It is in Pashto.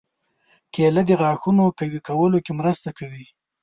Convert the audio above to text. کېله د غاښونو قوي کولو کې مرسته کوي.